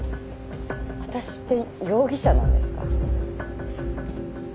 私って容疑者なんですか？